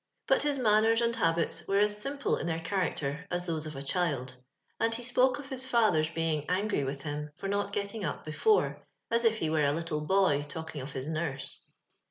But his manners and habits were as simple in their character as those of a child ; and he spoke of his father's being angry with him for not getting up before, as if he were a little boy talking of his Burse.